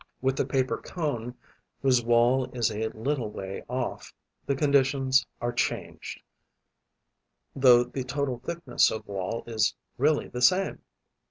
With the paper cone, whose wall is a little way off, the conditions are changed, though the total thickness of wall is really the same.